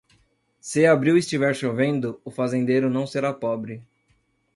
Se abril estiver chovendo, o fazendeiro não será pobre.